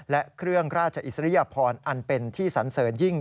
และเครื่องราชอิสริยพรอันเป็นที่สันเสริญยิ่ง